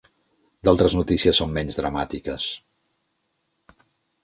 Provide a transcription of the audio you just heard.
D'altres notícies són menys dramàtiques.